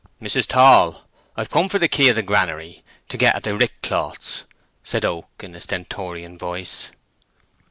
"Mrs. Tall, I've come for the key of the granary, to get at the rick cloths," said Oak, in a stentorian voice.